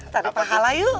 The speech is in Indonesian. tadi pahala yuk